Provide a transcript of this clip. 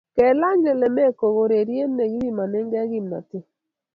Kelany lekemeeko urerie ne kipimonekei kimnotee.